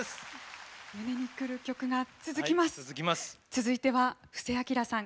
続いては布施明さん。